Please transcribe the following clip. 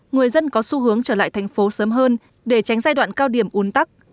người dân có xu hướng trở lại thành phố sớm hơn để tránh giai đoạn cao điểm un tắc